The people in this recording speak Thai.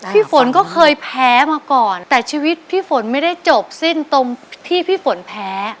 พี่ฝนก็เคยแพ้มาก่อนแต่ชีวิตพี่ฝนไม่ได้จบสิ้นตรงที่พี่ฝนแพ้